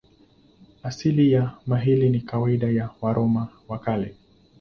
Asili ya maili ni kawaida ya Waroma wa Kale.